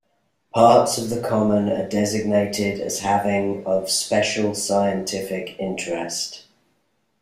Parts of the common are designated as having of Special Scientific Interest.